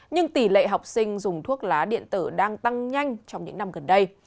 nhưng tỷ lệ học sinh dùng thuốc lá điện tử đang tăng nhanh trong những năm gần đây